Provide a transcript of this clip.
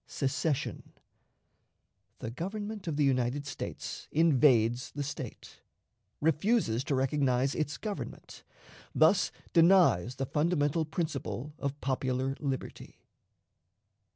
Secession. The Government of the United States invades the State; refuses to recognize its Government; thus denies the Fundamental Principle of Popular Liberty.